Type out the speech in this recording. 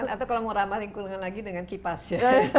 atau kalau mau ramah lingkungan lagi dengan kipas ya